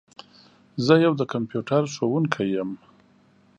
زه یو د کمپیوټر ښوونکي یم.